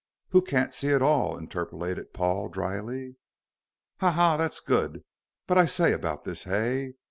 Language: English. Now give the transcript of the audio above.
"Who can't see at all," interpolated Paul, dryly. "Ha! ha! that's good. But I say about this Hay.